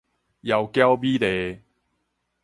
妖嬌美麗